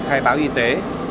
hay báo y tế